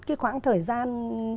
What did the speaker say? cái khoảng thời gian